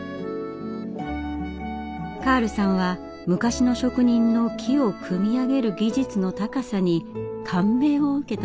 カールさんは昔の職人の木を組み上げる技術の高さに感銘を受けたといいます。